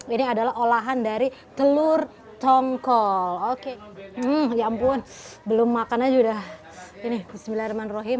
ini adalah olahan dari telur tongkol oke ya ampun belum makan aja udah ini bismillahirrahmanirrohim